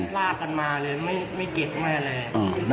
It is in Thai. ลากันมาเลยไม่เก็บแม่เลย